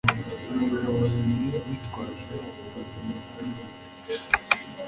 umuriro wazimye bitwaje ubuzima bwumuriro